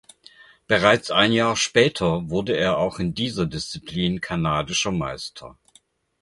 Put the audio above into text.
Bereits ein Jahr später wurde er auch in dieser Disziplin Kanadischer Meister.